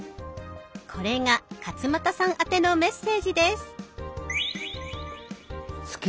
これが勝俣さんあてのメッセージです。